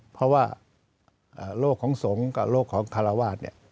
เพราะว่าโรคของสงฆ์กับโรคของคาราวาส